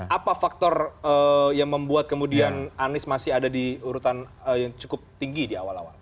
apa faktor yang membuat kemudian anies masih ada di urutan yang cukup tinggi di awal awal